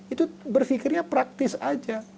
itu berfikirnya praktis aja